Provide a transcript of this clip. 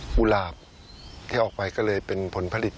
ุหลาบที่ออกไปก็เลยเป็นผลผลิต